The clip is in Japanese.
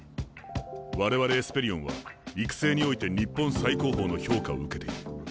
我々エスペリオンは育成において日本最高峰の評価を受けている。